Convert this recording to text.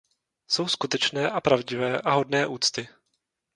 Jsou skutečné a pravdivé a hodné úcty.